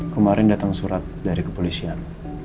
kemarin datang surat dari kepolisian